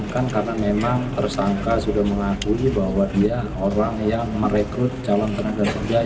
karena memang tersangka sudah mengakui bahwa dia orang yang merekrut calon perdagangan